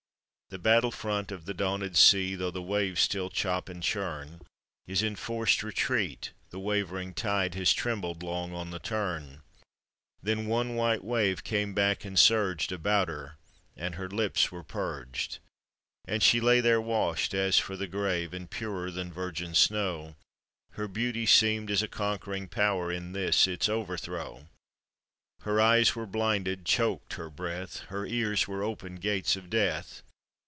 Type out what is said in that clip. The battle front of the daunted sea, Though the waves still chop and churn, Is in forced retreat, the wavering tide Has trembled long on the turn; Then one white wave came back and surged About her— and her lips were purged. And she lay there washed as for the grave, And purer than virgin snow, Her beauty seemed as a conquering power In this its overthrow; Her eyes were blinded, choked her breath. Her ears were open gates of death.